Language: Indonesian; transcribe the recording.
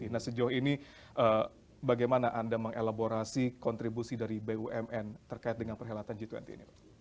nah sejauh ini bagaimana anda mengelaborasi kontribusi dari bumn terkait dengan perhelatan g dua puluh ini pak